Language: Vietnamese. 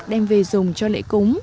đem về dùng cho lễ cúng